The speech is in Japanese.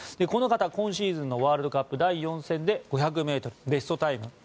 この方、今シーズンのワールドカップ第４戦で５００ｍベストタイム